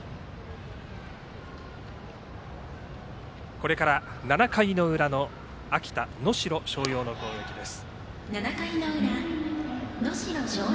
これから７回の裏の秋田・能代松陽の攻撃です。